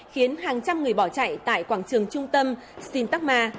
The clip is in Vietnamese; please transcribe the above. khiến hàng trăm người bỏ chạy tại quảng trường trung tâm stintama